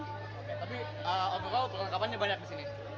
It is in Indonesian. tapi overall perlengkapannya banyak di sini